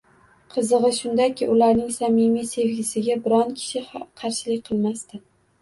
Qizig`i shundaki, ularning samimiy sevgisiga biron kishi qarshilik qilmasdi